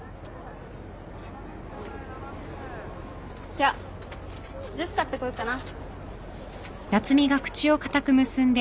じゃあジュース買ってこよっかな。